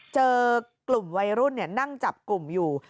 เจอกลุ่มวัยรุ่นนั่งจับกลุ่มอยู่